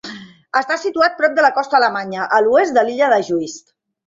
Està situat prop de la costa alemanya, a l'oest de l'illa de Juist.